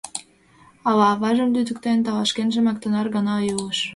Ала аважым лӱдыктеныт, ала шкенжымак — тынар гына илыш.